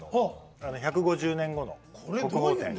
「１５０年後の国宝展」。